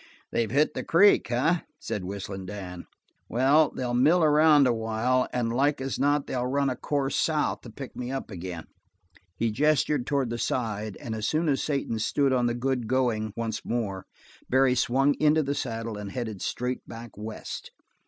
"They've hit the creek, eh?" said Whistling Dan. "Well, they'll mill around a while and like as not they'll run a course south to pick me up agin." He gestured toward the side, and as soon as Satan stood on the good going once more, Barry swung into the saddle and headed straight back west.